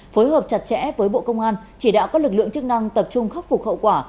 phối hợp chặt chẽ với bộ công an chỉ đạo các lực lượng chức năng tập trung khắc phục hậu quả